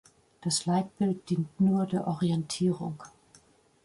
Das Leitbild dient nur der Orientierung.